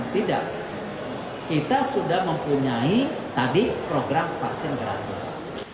tidak kita sudah mempunyai tadi program vaksin gratis